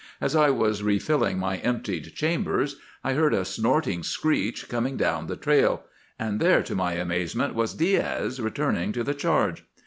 As I was refilling my emptied chambers, I heard a snorting screech coming down the trail; and there to my amazement was Diaz returning to the charge.